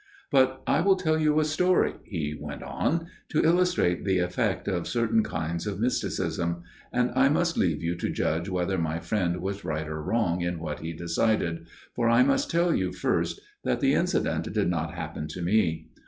"But I will tell you a story," he went on, "to illustrate the effect of certain kinds of mysticism; and I must leave you to judge whether my friend was right or wrong in what he decided, for I must tell you first that the incident did not happen to me.